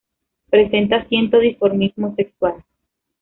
Presenta ciento dimorfismo sexual.